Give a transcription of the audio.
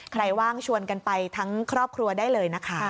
ว่างชวนกันไปทั้งครอบครัวได้เลยนะคะ